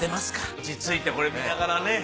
落ち着いてこれ見ながらね。